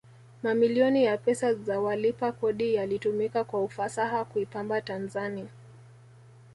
mamilioni ya pesa za walipa kodi yalitumika kwa ufasaha kuipamba tanzani